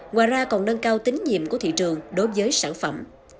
ngoài ra còn nâng cao tính nhiệm của thị trường đối với sản phẩm